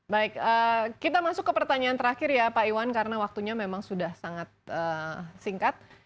baik kita masuk ke pertanyaan terakhir ya pak iwan karena waktunya memang sudah sangat singkat